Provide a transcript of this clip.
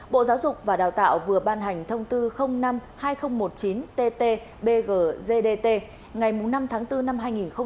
bộ giáo dục và đào tạo vừa ban hành thông tư năm hai nghìn một mươi chín tt bgt ngày năm tháng bốn năm hai nghìn một mươi chín